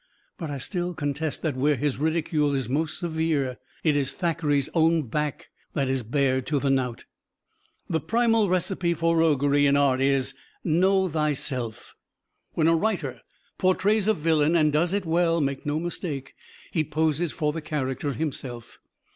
But I still contest that where his ridicule is most severe, it is Thackeray's own back that is bared to the knout. The primal recipe for roguery in art is, "Know Thyself." When a writer portrays a villain and does it well make no mistake, he poses for the character himself.